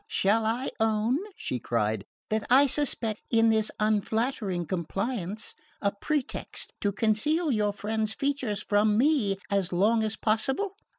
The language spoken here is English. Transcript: "Shall I own," she cried, "that I suspect in this unflattering compliance a pretext to conceal your friend's features from me as long as possible?